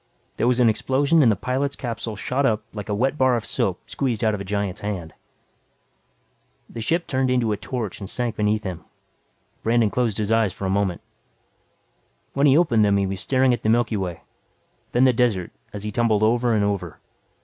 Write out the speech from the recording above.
There was an explosion and the pilot's capsule shot up like a wet bar of soap squeezed out of a giant's hand. The ship turned into a torch and sank beneath him. Brandon closed his eyes for a moment. When he opened them he was staring at the Milky Way, then the desert as he tumbled over and over.